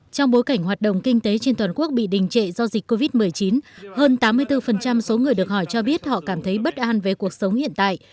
trong bối cảnh hoạt động kinh tế trên toàn quốc bị đình trệ do dịch covid một mươi chín hơn tám mươi bốn số người được hỏi cho biết họ cảm thấy bất an về cuộc sống hiện tại